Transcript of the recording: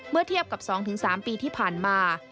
เมื่อเทียบกับ๒๓ปีที่ผ่านมา